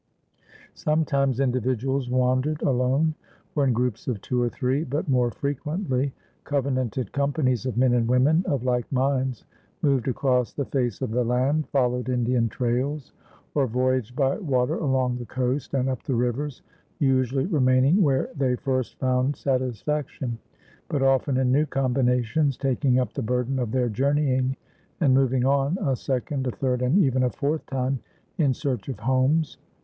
Sometimes individuals wandered alone or in groups of two or three, but more frequently covenanted companies of men and women of like minds moved across the face of the land, followed Indian trails, or voyaged by water along the coast and up the rivers, usually remaining where they first found satisfaction, but often, in new combinations, taking up the burden of their journeying and moving on, a second, a third, and even a fourth time in search of homes.